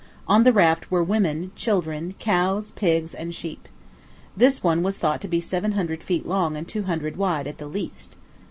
On the raft were women, children, cows, pigs, and sheep. This one was thought to be seven hundred feet long and two hundred wide, at the least.